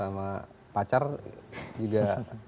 sama pacar juga